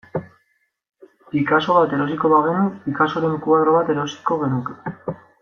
Picasso bat erosiko bagenu, Picassoren koadro bat erosiko genuke.